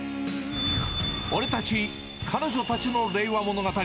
俺たち彼女たちの令和物語。